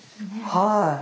はい。